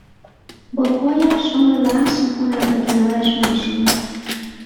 با پایش آن را لمس میکند و کنارش مینشیند